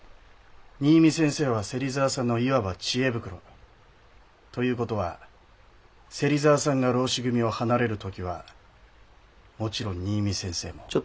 新見先生は芹沢さんのいわば知恵袋。という事は芹沢さんが浪士組を離れる時はもちろん新見先生も。